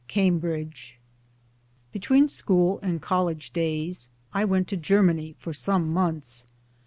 Ill CAMBRIDGE BETWEEN school and College days I went to Ger many for some months.